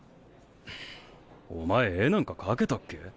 お前絵なんか描けたっけ？